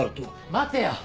待てよ！